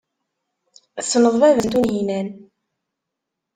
Tessneḍ baba-s n Tunhinan.